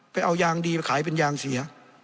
ไปเอายางดีไปขายเป็นยางเสีย